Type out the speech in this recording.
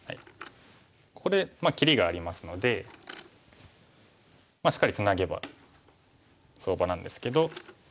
ここで切りがありますのでしっかりツナげば相場なんですけど。